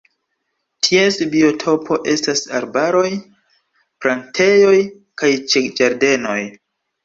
Ties biotopo estas arbaroj, plantejoj kaj ĉe ĝardenoj.